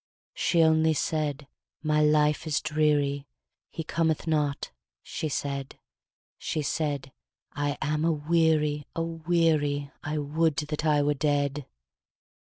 She only said, 'My life is dreary, He cometh not,' she said; She said, 'I am aweary, aweary, I would that I were dead!'